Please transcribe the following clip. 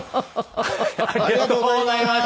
ありがとうございます！